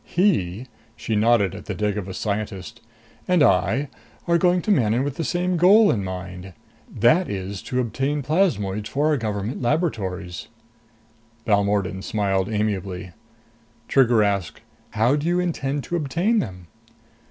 He" she nodded at the Devagas scientist "and I are going to Manon with the same goal in mind. That is to obtain plasmoids for our government laboratories." Balmordan smiled amiably. Trigger asked. "How do you intend to obtain them?"